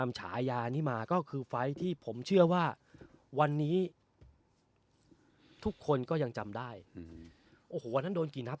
ฉายานี้มาก็คือไฟล์ที่ผมเชื่อว่าวันนี้ทุกคนก็ยังจำได้โอ้โหวันนั้นโดนกี่นับ